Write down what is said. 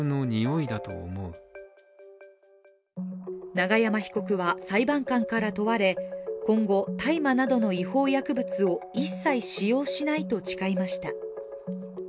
永山被告は裁判から問われ、今後大麻などの違法薬物を一切使用しないと誓いました。